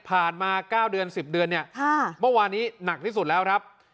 มา๙เดือน๑๐เดือนเนี่ยเมื่อวานนี้หนักที่สุดแล้วครับ